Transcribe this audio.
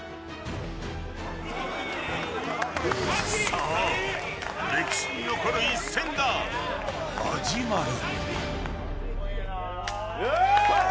さあ歴史に残る一戦が始まる。